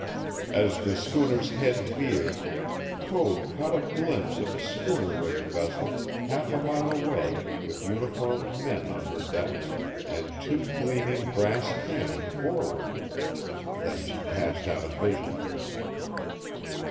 As the schooner's head veered Code caught a glimpse of a schooner rigged vessel half a mile away with uniformed men on her decks and two gleaming brass cannon forward. Then she passed out of vision.